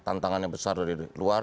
tantangannya besar dari luar